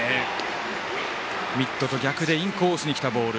ミットと逆でインコースにきたボール。